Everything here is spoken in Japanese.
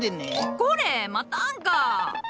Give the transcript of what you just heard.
これ待たんか！